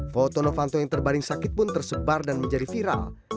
foto novanto yang terbaring sakit pun tersebar dan menjadi viral